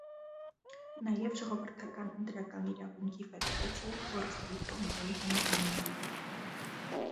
Նաև ժողովրդական ընտրական իրավունքի ֆեդերացիայի գործադիր կոմիտեի համահիմնադիր էր։